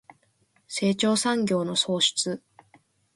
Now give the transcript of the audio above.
成長産業の創出